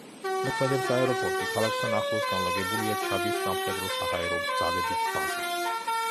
მოქმედებს აეროპორტი, ქალაქთან ახლოს განლაგებულია ჩადის სამხედრო-საჰაერო ძალების ბაზა.